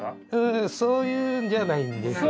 んそういうんじゃないんです。